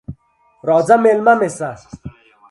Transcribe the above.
راځه مېلمه مې سه!